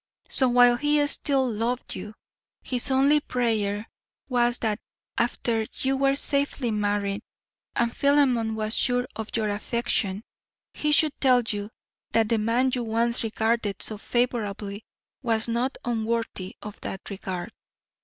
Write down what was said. So while he still loved you, his only prayer was that after you were safely married and Philemon was sure of your affection, he should tell you that the man you once regarded so favourably was not unworthy of that regard.